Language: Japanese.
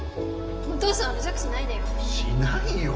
お父さんうるさくしないでよ。